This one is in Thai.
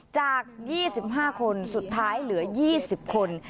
จาก๒๕คนสุดท้ายเหลือ๒๐คน